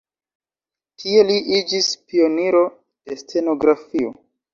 Tie li iĝis pioniro de stenografio.